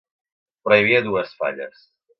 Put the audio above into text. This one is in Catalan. Però hi havia dues falles